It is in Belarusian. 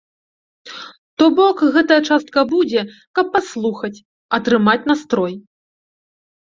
То бок, гэтая частка будзе, каб паслухаць, атрымаць настрой.